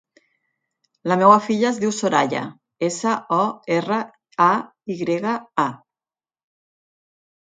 La meva filla es diu Soraya: essa, o, erra, a, i grega, a.